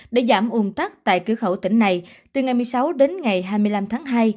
để giảm ủng tắc tại cửa khẩu tỉnh này từ ngày một mươi sáu đến ngày hai mươi năm tháng hai